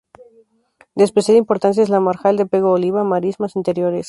De especial importancia es la marjal de Pego-Oliva, marismas interiores.